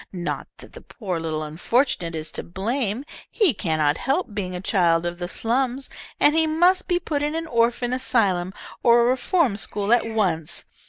Not that the poor little unfortunate is to blame. He cannot help being a child of the slums, and he must be put in an orphan asylum or a reform school at once.